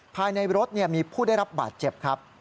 ภายในรถมีผู้ได้รับบาดเจ็บครับ